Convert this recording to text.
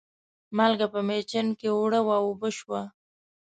مالګه په مېچن کې اوړه و اوبه شوه.